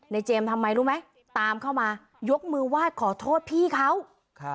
เจมส์ทำไมรู้ไหมตามเข้ามายกมือไหว้ขอโทษพี่เขา